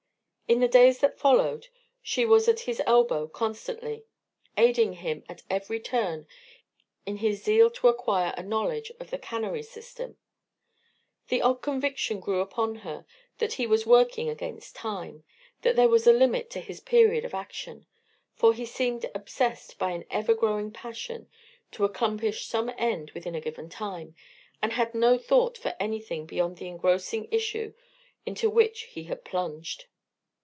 In the days that followed she was at his elbow constantly, aiding him at every turn in his zeal to acquire a knowledge of the cannery system. The odd conviction grew upon her that he was working against time, that there was a limit to his period of action, for he seemed obsessed by an ever growing passion to accomplish some end within a given time, and had no thought for anything beyond the engrossing issue into which he had plunged.